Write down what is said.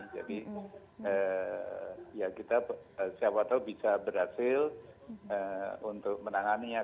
jadi ya kita siapa tahu bisa berhasil untuk menangannya